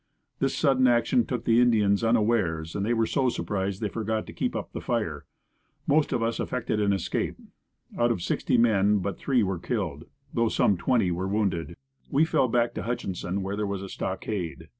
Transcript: This sudden action took the Indians unawares and they were so surprised they forgot to keep up the fire. Most of us effected an escape. Out of sixty men but three were killed, though some twenty were wounded. We fell back to Hutchinson where there was a stockade.